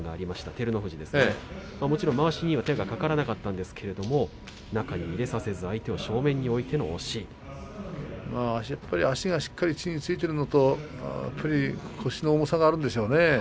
照ノ富士ですがもちろんまわしには手が掛からなかったんですが中に入れさせず足がしっかりと地に着いているのと腰の重さがあるんでしょうね。